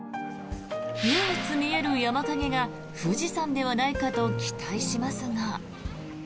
唯一見える山影が富士山ではないかと期待しますが。